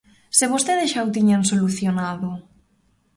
¡Se vostedes xa o tiñan solucionado!